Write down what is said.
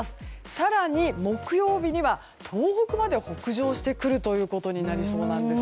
更に木曜日には東北まで北上してくることになりそうです。